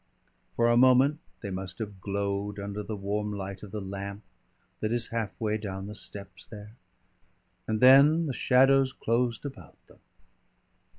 For a moment they must have glowed under the warm light of the lamp that is half way down the steps there, and then the shadows closed about them.